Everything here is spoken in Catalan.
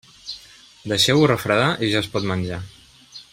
Deixeu-ho refredar i ja es pot menjar.